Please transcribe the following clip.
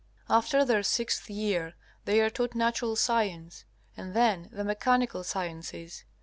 After their sixth year they are taught natural science, and then the mechanical sciences.